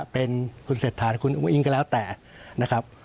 เป็นคุณเศรษฐาหรือคุณอุ้งอิงก็แล้วแต่นะครับ